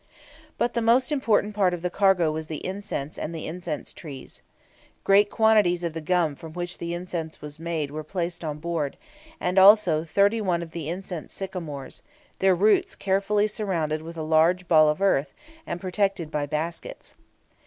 But the most important part of the cargo was the incense, and the incense trees. Great quantities of the gum from which the incense was made were placed on board, and also thirty one of the incense sycamores, their roots carefully surrounded with a large ball of earth, and protected by baskets.